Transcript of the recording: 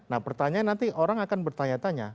nah pertanyaan nanti orang akan bertanya tanya